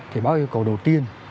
thì bác yêu cầu đầu tiên